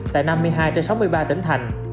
tại năm mươi hai trên sáu mươi ba tỉnh thành